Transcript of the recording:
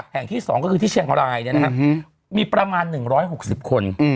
แห่งที่๒ก็คือที่เชียงรายมีประมาณ๑๖๐คน